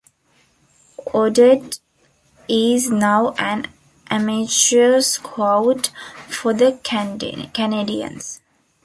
Audette is now an amateur scout for the Canadiens.